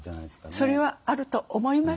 それはあると思います。